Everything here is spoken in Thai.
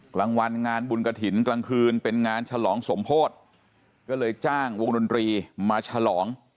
กลางวันงานบุญกระถิ่นกลางคืนเป็นงานฉลองสมโพธิก็เลยจ้างวงดนตรีมาฉลอง